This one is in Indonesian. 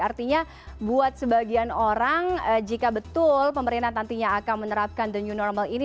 artinya buat sebagian orang jika betul pemerintah nantinya akan menerapkan the new normal ini